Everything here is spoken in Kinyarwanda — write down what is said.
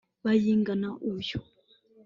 Bayingana uyu